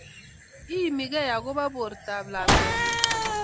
Iiimi key akopo portap lakwennyi.